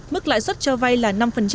mức lãi suất cho vai là năm